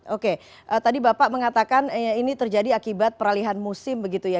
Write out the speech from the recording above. oke tadi bapak mengatakan ini terjadi akibat peralihan musim begitu ya